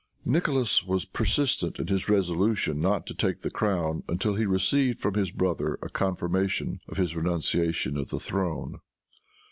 Nicholas was persistent in his resolution not to take the crown until he received from his brother a confirmation of his renunciation of the throne.